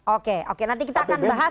oke oke nanti kita akan bahas